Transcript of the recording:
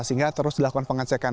sehingga terus dilakukan pengecekan